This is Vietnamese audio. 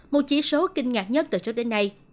một chỉ số kinh ngạc nhất từ trước đến nay